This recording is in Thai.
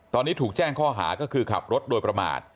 ตอนนี้ถูกแจ้งข้อหาก็คือขับรถโดยประมาท